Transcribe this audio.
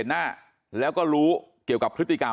มันต้องการมาหาเรื่องมันจะมาแทงนะ